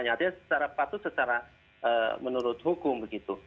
artinya secara patut secara menurut hukum begitu